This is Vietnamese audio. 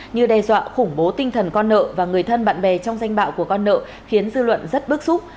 như đe dọa khủng bố tinh thần con nợ và người thân bạn bè trong danh bạo của con nợ khiến dư luận rất bức xúc